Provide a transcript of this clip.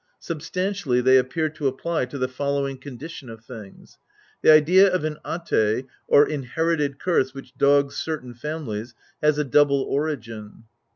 Substantially they appear to apply to the following condition of things. The idea of an At^, or inherited curse which dogs certain families, has a double origin.